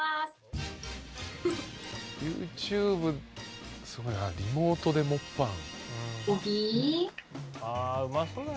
ＹｏｕＴｕｂｅすごいなリモートでモッパン。